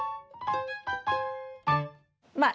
まあ